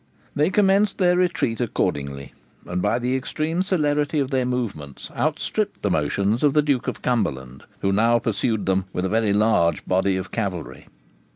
They commenced their retreat accordingly, and, by the extreme celerity of their movements, outstripped the motions of the Duke of Cumberland, who now pursued them with a very large body of cavalry.